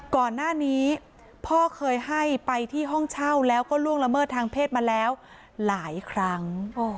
ก่อนหน้านี้พ่อเคยให้ไปที่ห้องเช่าแล้วก็ล่วงละเมิดทางเพศมาแล้วหลายครั้ง